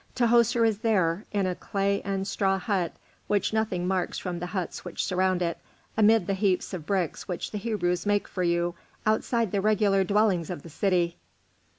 Tahoser is there, in a clay and straw hut which nothing marks from the huts which surround it, amid the heaps of bricks which the Hebrews make for you outside the regular dwellings of the city."